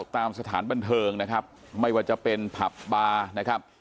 ตามสถานบันเทิงนะครับไม่ว่าจะเป็นผับบาร์นะครับ